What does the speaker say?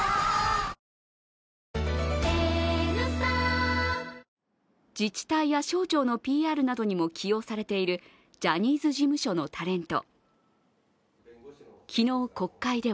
わぁ自治体や省庁のＰＲなどにも起用されているジャニーズ事務所のタレント。